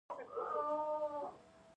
طبعت سازي؛ یعني د واقعیت سره پیوستون ولري.